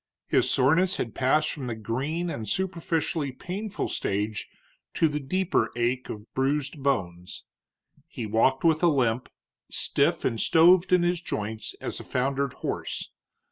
His soreness had passed from the green and superficially painful stage to the deeper ache of bruised bones. He walked with a limp, stiff and stoved in his joints as a foundered horse.